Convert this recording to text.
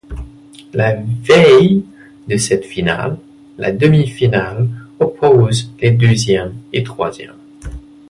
La veille de cette finale, la demi-finale oppose les deuxième et troisième.